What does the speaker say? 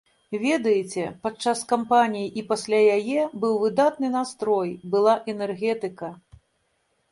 Ведаеце, падчас кампаніі і пасля яе быў выдатны настрой, была энергетыка.